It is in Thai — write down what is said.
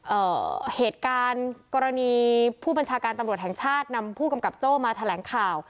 เอ่อเหตุการณ์กรณีผู้บัญชาการตำรวจแห่งชาตินำผู้กำกับโจ้มาแถลงข่าว